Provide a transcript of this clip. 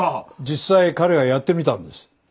実際彼がやってみたんです。